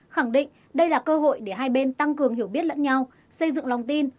khẳng định đây là cơ hội để hai bên tăng cường hiểu biết lẫn nhau xây dựng lòng tin